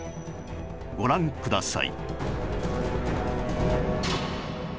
ご覧ください